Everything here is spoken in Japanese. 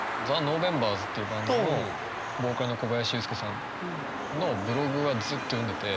ＴＨＥＮＯＶＥＭＢＥＲＳっていうバンドのボーカルの小林祐介さんのブログはずっと読んでて。